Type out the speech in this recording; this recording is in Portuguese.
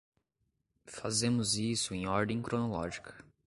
Fazemos isso em ordem cronológica.